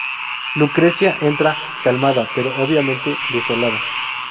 Lucrecia entra, calmada pero obviamente desolada.